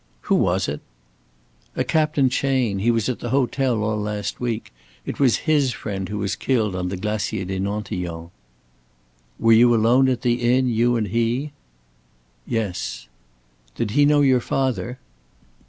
"Who was it?" "A Captain Chayne. He was at the hotel all last week. It was his friend who was killed on the Glacier des Nantillons." "Were you alone at the inn, you and he?" "Yes." "Did he know your father?"